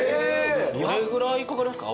どれぐらいかかりますか？